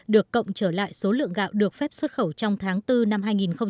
được cộng trở lại số lượng gạo được phép xuất khẩu trong tháng bốn năm hai nghìn hai mươi